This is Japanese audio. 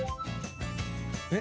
えっ？